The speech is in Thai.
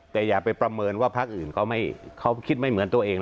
แต่อย่าไปประเมินว่าพักอื่นเขาคิดไม่เหมือนตัวเอง